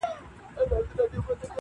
سره ورک یې کړل زامن وروڼه پلرونه-